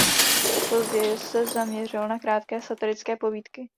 Později se zaměřil na krátké satirické povídky.